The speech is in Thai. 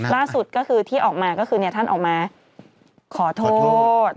ล่าสุดก็คือที่ออกมาก็คือท่านออกมาขอโทษ